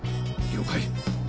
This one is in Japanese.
了解。